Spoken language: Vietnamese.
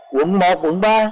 quận một quận ba